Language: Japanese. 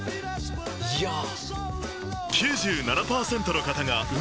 ⁉いやぁ。